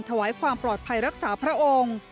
ถวายความปลอดภัยรักษาพระองค์